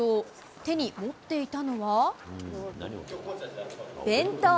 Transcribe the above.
手に持っていたのは、弁当。